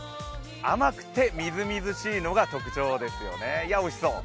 甘くてみずみずしいのが特徴ですよね、おいしそう！